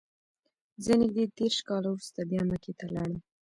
زه نږدې دېرش کاله وروسته بیا مکې ته لاړم.